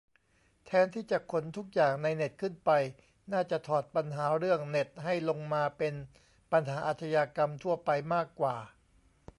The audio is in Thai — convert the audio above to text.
แทนที่จะขนทุกอย่างในเน็ตขึ้นไป น่าจะถอดปัญหาเรื่องเน็ตให้ลงมาเป็นปัญหาอาชญากรรมทั่วไปมากกว่า